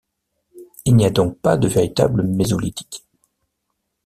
Il n'y a donc pas de véritable Mésolithique.